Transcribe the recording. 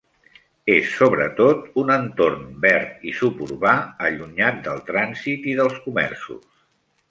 És sobretot un entorn verd i suburbà allunyat del trànsit i dels comerços.